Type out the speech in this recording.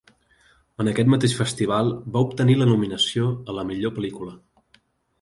En aquest mateix festival va obtenir la nominació a la millor pel·lícula.